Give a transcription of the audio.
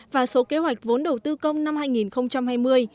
và số kế hoạch vốn đầu tư công năm hai nghìn hai mươi